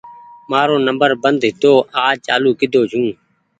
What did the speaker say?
مآرو نمبر بند هيتو آج چآلو ڪۮو ڇوٚنٚ